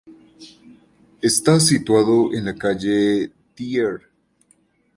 Está situado en la calle Dr.